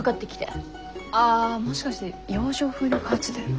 ああもしかして洋上風力発電の？